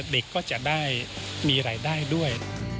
เด็กก็จะได้มีรายได้ด้วย